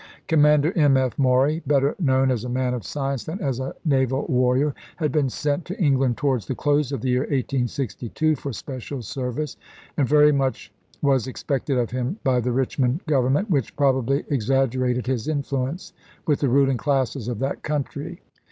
Commander M. F. Maury, better known as a man of science than as a naval warrior, had been sent to England towards the close of the year 1862 for special service, and very much was expected of him by the Richmond Government, which probably exag gerated his influence with the ruling classes of that country.